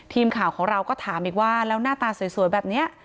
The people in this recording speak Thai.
ทีมข่าวของเราก็ถามอีกว่าแล้วหน้าตาสวยแบบนี้